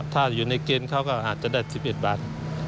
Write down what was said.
ถ้าอยู่ในเกณฑ์เขาก็อาจจะได้๑๑บาท